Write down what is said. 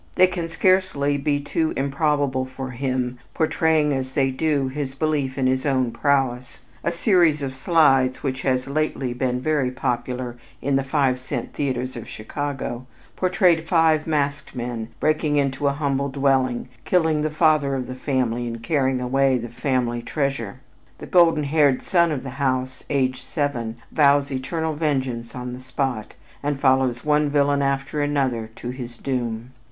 They can scarcely be too improbable for him, portraying, as they do, his belief in his own prowess. A series of slides which has lately been very popular in the five cent theaters of Chicago, portrayed five masked men breaking into a humble dwelling, killing the father of the family and carrying away the family treasure. The golden haired son of the house, aged seven, vows eternal vengeance on the spot, and follows one villain after another to his doom.